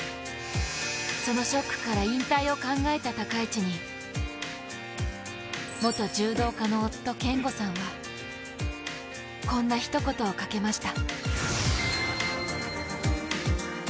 そのショックから引退を考えた高市に元柔道家の夫、賢悟さんはこんなひと言をかけました。